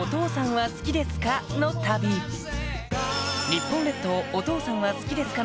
日本列島お父さんは好きですか？